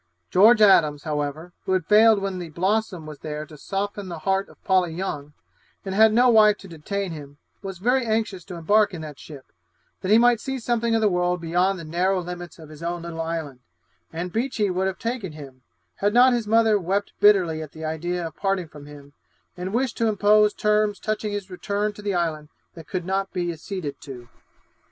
George Adams, however, who had failed when the Blossom was there to soften the heart of Polly Young, and had no wife to detain him, was very anxious to embark in that ship, that he might see something of the world beyond the narrow limits of his own little island; and Beechey would have taken him, had not his mother wept bitterly at the idea of parting from him, and wished to impose terms touching his return to the island, that could not be acceded to.